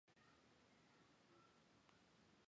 爆炸当场炸死一名儿童和一名保安。